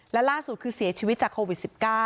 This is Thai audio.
และล่าสุดคือเสียชีวิตจากโควิด๑๙